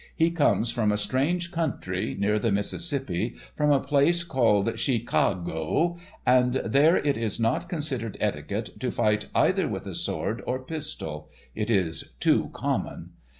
He comes from a strange country, near the Mississippi, from a place called Shee ka go, and there it is not considered etiquette to fight either with a sword or pistol; it is too common.